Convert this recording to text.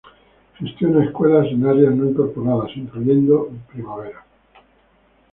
Gestiona escuelas en áreas no incorporadas, incluyendo Spring.